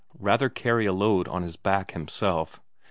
Rather carry a load on his back himself.